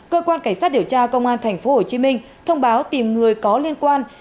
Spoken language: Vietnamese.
cơ quan cảnh sát điều tra công an tp hcm thông báo tìm người có liên quan